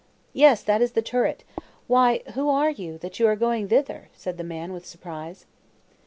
"Yes, that is the turret; why, who are you, that you are going thither?" said the man with surprise.